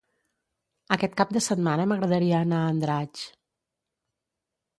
Aquest cap de setmana m'agradaria anar a Andratx.